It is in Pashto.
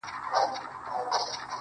o زما ونه له تا غواړي راته.